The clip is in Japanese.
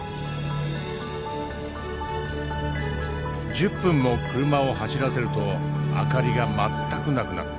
１０分も車を走らせると明かりが全くなくなった。